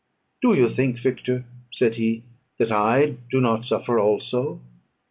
"Do you think, Victor," said he, "that I do not suffer also?